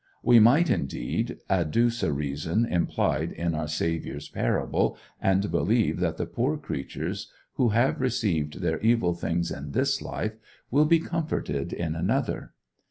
We might indeed adduce a reason implied in our Saviour's parable, and believe that the poor creatures who have received their evil things in this life will be comforted in another.